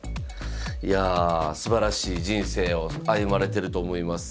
いやすばらしい人生を歩まれてると思います。